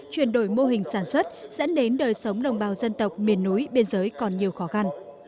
chuyển đổi mô hình sản xuất dẫn đến đời sống đồng bào dân tộc miền núi biên giới còn nhiều khó khăn